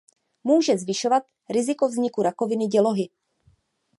Může zvyšovat riziko vzniku rakoviny dělohy.